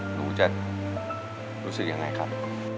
หนูจะรู้สึกยังไงครับ